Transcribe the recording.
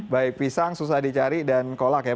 baik pisang susah dicari dan kolak ya